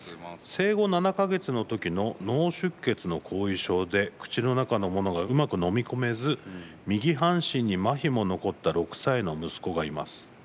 生後７か月の時の脳出血の後遺症で口の中のものがうまく飲み込めず右半身に、まひも残った６歳の息子がいます。